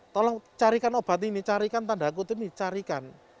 tolong carikan obat ini carikan tanda akutim ini carikan